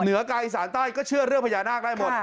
เหนือกายอีสานใต้ก็เชื่อเรื่องพญานาคได้หมด